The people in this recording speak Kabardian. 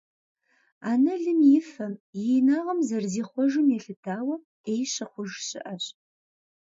Анэлым и фэм, и инагъым зэрызихъуэжым елъытауэ, «Ӏей» щыхъуж щыӀэщ.